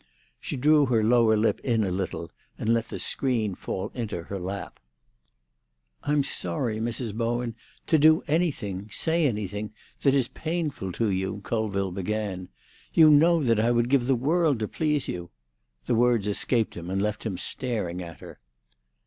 She drew her lower lip in a little, and let the screen fall into her lap. "I'm sorry, Mrs. Bowen, to do anything—say anything—that is painful to you," Colville began. "You know that I would give the world to please you——" The words escaped him and left him staring at her.